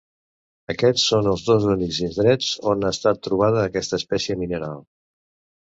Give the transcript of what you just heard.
Aquests són els dos únics indrets on ha estat trobada aquesta espècie mineral.